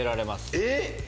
えっ！